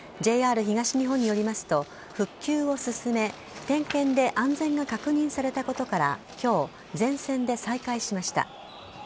ＪＲ東日本によりますと復旧を進め点検で安全が確認されたことから今日、全線で再開しました。